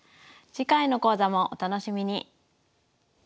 次回の講座もお楽しみに。